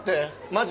マジ。